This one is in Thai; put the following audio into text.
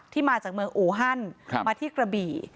มาจากเมืองอูฮันมาที่กระบี่